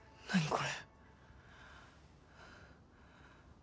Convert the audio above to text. これ。